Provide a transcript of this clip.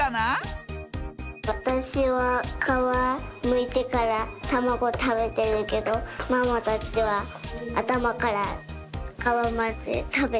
わたしはかわむいてからたまごたべてるけどママたちはあたまからかわまでたべてる。